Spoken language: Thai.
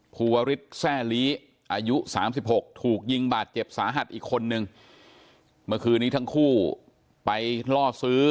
ผู้วริสแซ่ลีอายุ๓๖ผู้ถูกยิงบาดเจ็บสาหัดอีกคนหนึ่งมาคือนี้ทั้งคู่ไปล่อซื้อ